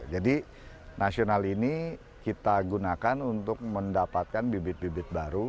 jadi nasional ini kita gunakan untuk mendapatkan bibit bibit baru